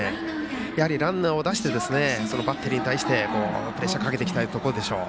やはりランナーを出してバッテリーに対してプレッシャーをかけたいところでしょう。